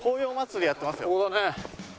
ここだね。